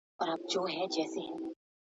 ده د سجع او قافيې تکلف کم کړ